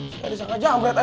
saya disana jamret aja